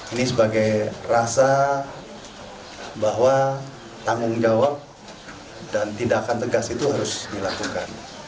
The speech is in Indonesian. ini sebagai rasa bahwa tanggung jawab dan tindakan tegas itu harus dilakukan